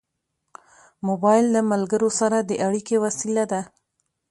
موبایل له ملګرو سره د اړیکې وسیله ده.